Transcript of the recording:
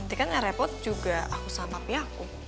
nanti kan yang repot juga aku santapnya aku